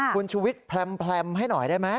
คุณชูวิทย์แพลมให้หน่อยได้ไหม